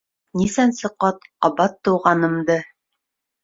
Нисәнсе ҡат ҡабат тыуғанымды.